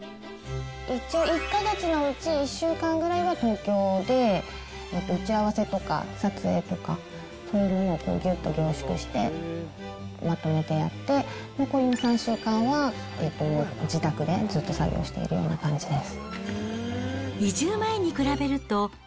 １か月のうち１週間ぐらいは東京で、打ち合わせとか撮影とか、そういうのをぎゅっと凝縮してまとめてやって、残りの３週間は自宅でずっと作業をしているような感じです。